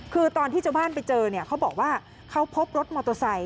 คือตอนที่ชาวบ้านไปเจอเนี่ยเขาบอกว่าเขาพบรถมอเตอร์ไซค